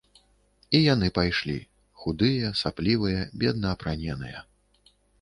І яны пайшлі, худыя, саплівыя, бедна апраненыя.